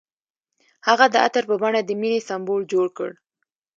هغه د عطر په بڼه د مینې سمبول جوړ کړ.